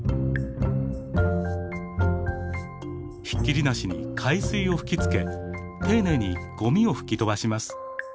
ひっきりなしに海水を吹きつけ丁寧にゴミを吹き飛ばします。